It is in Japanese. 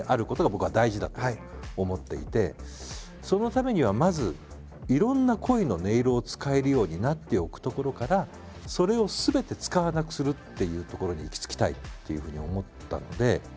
そのためにはまずいろんな声の音色を使えるようになっておくところからそれをすべて使わなくするというところに行き着きたいというふうに思ったので。